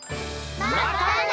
またね！